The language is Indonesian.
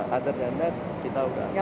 nah selain itu kita sudah